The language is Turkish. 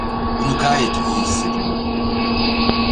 Bunu gayet iyi hissediyordum.